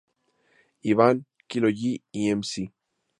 Ivan, Kilo G y Ms.